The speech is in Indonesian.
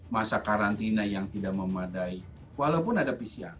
masa karantina yang tidak memadai walaupun ada pcr